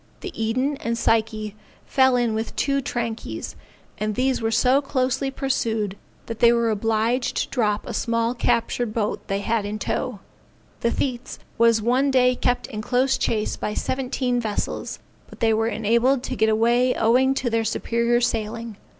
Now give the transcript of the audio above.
The Eden and Psyche fell in with two trankies, and these were so closely pursued that they were obliged to drop a small captured boat they had in tow. The Thetes one day kept in close chase of seventeen vessels, but they were enabled to get away owing to their superior sailing.